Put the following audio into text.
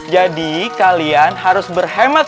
jadi kalian harus berhemat